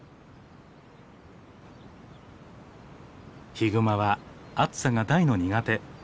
ヒグマは暑さが大の苦手。